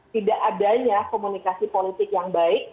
tidak adanya komunikasi politik yang baik